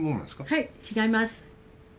はい違います。